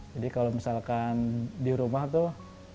jadi kalau misalkan di rumah tuh